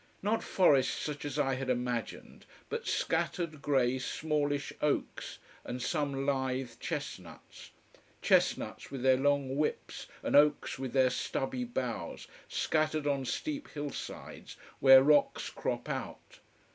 Not forests such as I had imagined, but scattered, grey, smallish oaks, and some lithe chestnuts. Chestnuts with their long whips, and oaks with their stubby boughs, scattered on steep hillsides where rocks crop out.